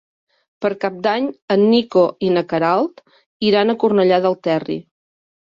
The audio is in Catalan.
Per Cap d'Any en Nico i na Queralt iran a Cornellà del Terri.